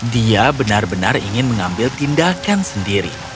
dia benar benar ingin mengambil tindakan sendiri